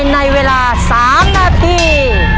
ในเวลา๓นาที